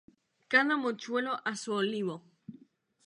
Cada mochuelo a su olivo